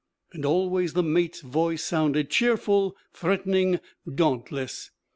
And always the mate's voice sounded, cheerful, threatening, dauntless.